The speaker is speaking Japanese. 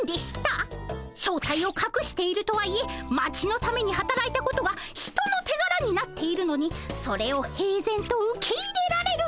正体をかくしているとはいえ町のためにはたらいたことが人の手柄になっているのにそれを平然と受け入れられる。